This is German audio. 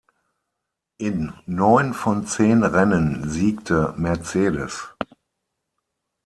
In neun von zehn Rennen siegte Mercedes.